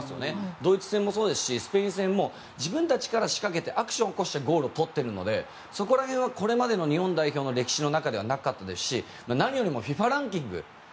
ドイツ戦もそうですしスペイン戦も自分たちから仕掛けてアクションを起こしてゴールを取っているのでそこら辺はこれまでの日本代表の歴史の中ではなかったですし何よりもＦＩＦＡランキング